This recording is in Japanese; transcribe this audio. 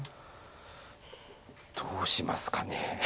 どうしますかね。